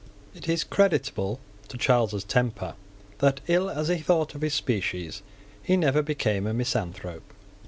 It is creditable to Charles's temper that, ill as he thought of his species, he never became a misanthrope.